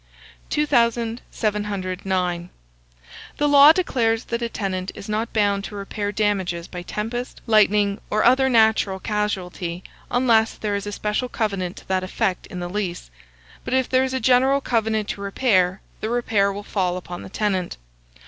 2709. The law declares that a tenant is not bound to repair damages by tempest, lightning, or other natural casualty, unless there is a special covenant to that effect in the lease; but if there is a general covenant to repair, the repair will fall upon the tenant.